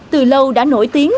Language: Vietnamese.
từ lâu đã nổi tiếng